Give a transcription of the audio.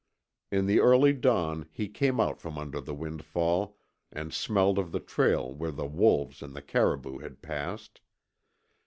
In the early dawn he came out from under the windfall and smelled of the trail where the wolves and the caribou had passed.